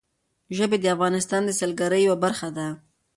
ژبې د افغانستان د سیلګرۍ یوه برخه ده.